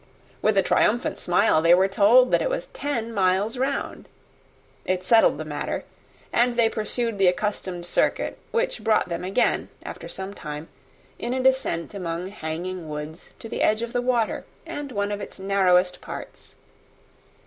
With a triumphant smile, they were told, that it was ten miles round. It settled the matter; and they pursued the accustomed circuit; which brought them again, after some time, in a descent among hanging woods, to the edge of the water, and one of its narrowest parts.